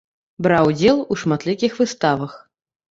Браў удзел у шматлікіх выставах.